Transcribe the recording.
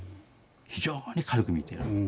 非常に軽く見ている。